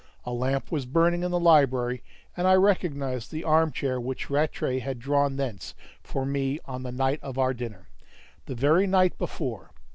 A lamp was burning in the library, and I recognized the arm chair which Rattray had drawn thence for me on the night of our dinner the very night before!